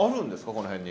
この辺に。